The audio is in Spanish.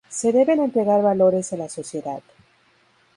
Se deben entregar valores a la sociedad.